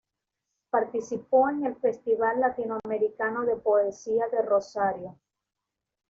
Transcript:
Participó en el Festival Latinoamericano de Poesía de Rosario.